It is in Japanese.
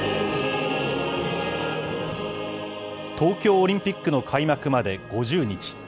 東京オリンピックの開幕まで５０日。